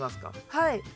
はい。